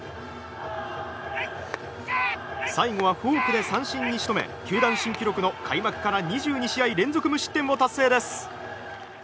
最後はフォークで三振に仕留め球団新記録の開幕から２２試合連続無失点を達成です。